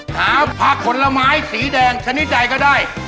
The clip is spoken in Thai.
หาผักผลไม้สีแดงชนิดใดก็ได้